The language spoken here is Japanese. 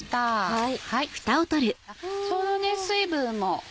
はい。